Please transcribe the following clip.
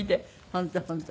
本当本当。